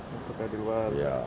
supaya di luar